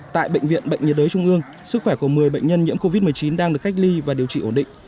tại bệnh viện bệnh nhiệt đới trung ương sức khỏe của một mươi bệnh nhân nhiễm covid một mươi chín đang được cách ly và điều trị ổn định